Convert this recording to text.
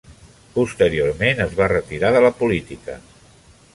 Posteriorment es va retirar de la política.